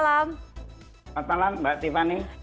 selamat malam mbak tiffany